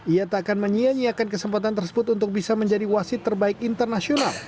ia tak akan menyianyiakan kesempatan tersebut untuk bisa menjadi wasit terbaik internasional